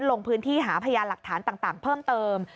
ลงพื้นที่หาพยานหลักฐานต่างเพิ่มเติม